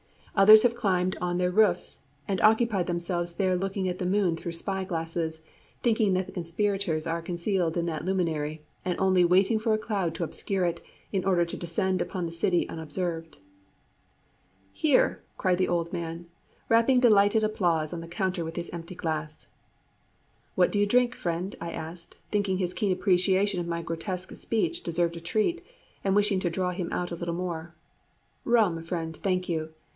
Others have climbed on to their roofs, and occupy themselves there looking at the moon through spy glasses, thinking that the conspirators are concealed in that luminary, and only waiting for a cloud to obscure it, in order to descend upon the city unobserved." "Hear!" cried the old man, rapping delighted applause on the counter with his empty glass. "What do you drink, friend?" I asked, thinking his keen appreciation of my grotesque speech deserved a treat, and wishing to draw him out a little more. "Rum, friend, thank you.